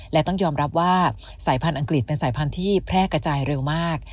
และต้องยอมรับว่าสายพันธุอังกฤษเป็นสายพันธุ์ที่แพร่กระจายเร็วมาก